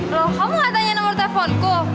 loh kamu gak tanya nomor teleponku